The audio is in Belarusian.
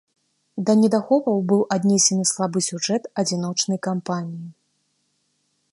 Да недахопаў быў аднесены слабы сюжэт адзіночнай кампаніі.